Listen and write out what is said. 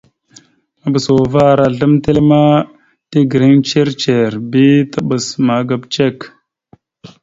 Maɓəsa uvah ara azlam etelle ma tegreŋ ndzir ndzir bi taɓas magap cek.